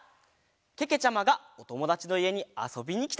けけちゃまがおともだちのいえにあそびにきたところです。